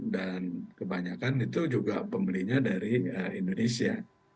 dan kebanyakan itu juga pembelinya dari indonesia